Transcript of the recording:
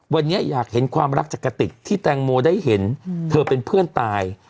วันนี้อยากเห็นความรักจากกติกที่แตงโมได้เห็นเธอเป็นเพื่อนตาย